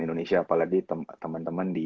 indonesia apalagi teman teman di